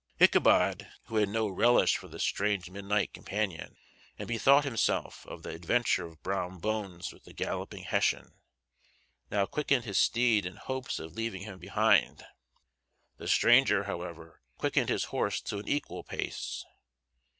Ichabod, who had no relish for this strange midnight companion, and bethought himself of the adventure of Brom Bones with the Galloping Hessian, now quickened his steed in hopes of leaving him behind. The stranger, however, quickened his horse to an equal pace.